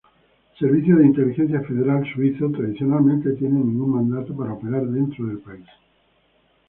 Servicio de Inteligencia Federal suizo tradicionalmente tiene ningún mandato para operar dentro del país.